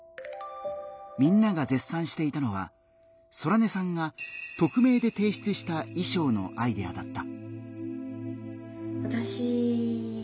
みんなが絶賛していたのはソラネさんが匿名で提出した衣装のアイデアだった。